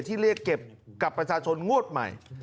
เรียกเก็บกับประชาชนงวดใหม่